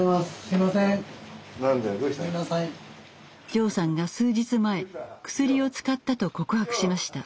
ジョーさんが数日前クスリを使ったと告白しました。